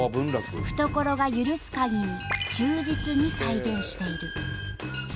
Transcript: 懐が許すかぎり忠実に再現している。